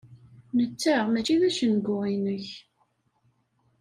Netta mačči d acengu-inek.